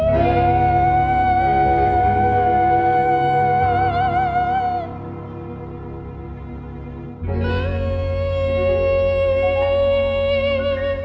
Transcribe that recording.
แน่แน่รู้เหรอ